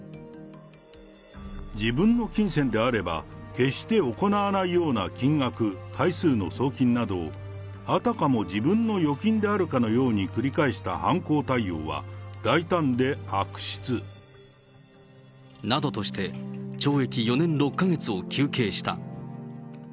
自分の金銭であれば、決して行わないような金額、回数の送金などを、あたかも自分の預金であるかのように繰り返した犯行態様は大胆でなどとして、懲役４年６か月を求刑した。